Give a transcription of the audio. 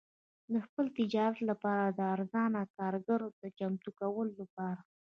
د خپل تجارت لپاره د ارزانه کارګرو د چمتو کولو لپاره.